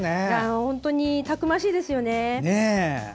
本当にたくましいですよね。